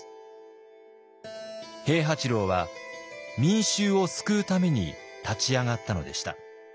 平八郎は民衆を救うために立ち上がったのでした。